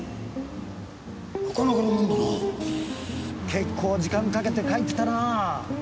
結構時間かけて描いてたなぁ。